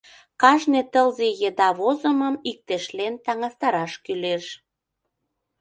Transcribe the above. Кажне тылзе еда возымым иктешлен таҥастараш кӱлеш.